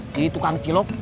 jadi tukang cilok